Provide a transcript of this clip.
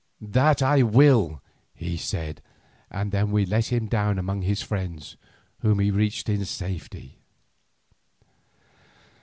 "That I will," he said, and then we let him down among his friends, whom he reached in safety.